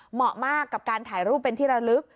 เหมาะมากกับการถ่ายรูปเป็นที่ระลึก